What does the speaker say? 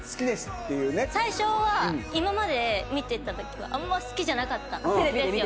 最初は今まで見てた時はあんま好きじゃなかったんですよ。